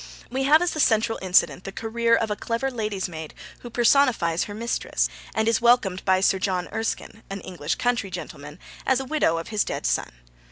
We have as the central incident the career of a clever lady's maid who personifies her mistress, and is welcomed by Sir John Erskine, an English country gentleman, as the widow of his dead son.